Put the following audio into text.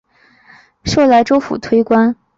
授莱州府推官。